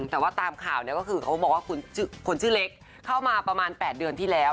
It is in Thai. แต่ว่าตามข่าวเนี่ยก็คือเขาบอกว่าคนชื่อเล็กเข้ามาประมาณ๘เดือนที่แล้ว